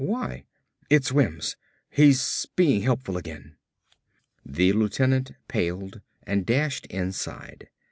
"Why?" "It's Wims. He's being helpful again." The lieutenant paled and dashed inside.